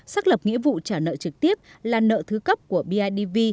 xác lập nghĩa vụ trả nợ trực tiếp là nợ thứ cấp của bidv